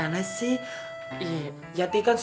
ntar ya mas